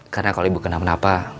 karena kalau ibu kenapa kenapa